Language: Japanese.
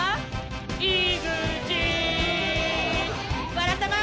「わらたま」。